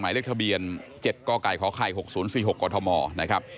หมายเลขทะเบียน๗กกข๖๐๔๖กมนะครับ